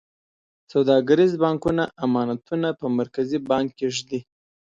سوداګریز بانکونه امانتونه په مرکزي بانک کې ږدي.